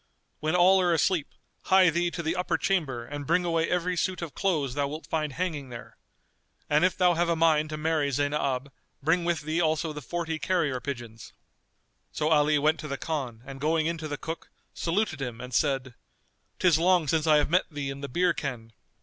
When all are asleep, hie thee to the upper chamber and bring away every suit of clothes thou wilt find hanging there. And if thou have a mind to marry Zaynab, bring with thee also the forty carrier pigeons." So Ali went to the Khan and going in to the cook, saluted him and said, "'Tis long since I have met thee in the beer ken."